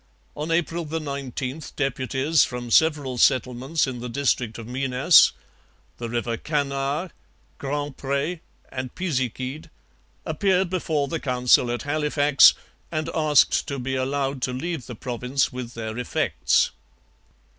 On April 19 deputies from several settlements in the district of Minas the river Canard, Grand Pre, and Pisiquid appeared before the Council at Halifax and asked to be allowed to leave the province with their effects.